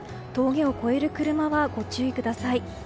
峠を越える車はご注意ください。